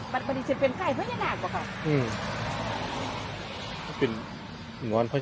มันมันจะเป็นใกล้พัฒนาบเหรอคะอืมเป็นง้อนพัฒนาบ